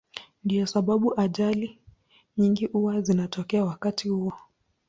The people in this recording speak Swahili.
Ndiyo sababu ajali nyingi huwa zinatokea wakati huo.